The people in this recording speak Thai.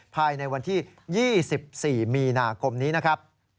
ภายในวันที่๒๔มีนาคมนี้นะครับ